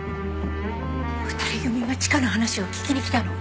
２人組がチカの話を聞きに来たの。